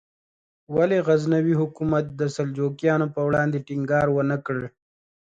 ولې غزنوي حکومت د سلجوقیانو پر وړاندې ټینګار ونکړ؟